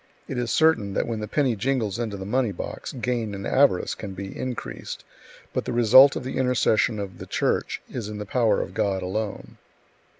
It is certain that when the penny jingles into the money box, gain and avarice can be increased, but the result of the intercession of the Church is in the power of God alone.